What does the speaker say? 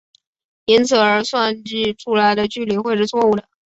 因此而计算出来的距离会是错武的。